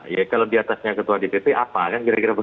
ya kalau diatasnya ketua dpp apa kan kira kira begitu